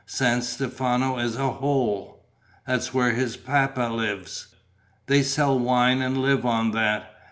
San Stefano is a hole. That's where his papa lives. They sell wine and live on that.